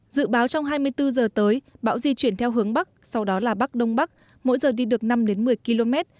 dự báo trong hai mươi bốn giờ tới bão di chuyển theo hướng bắc sau đó là bắc đông bắc mỗi giờ đi được năm đến một mươi km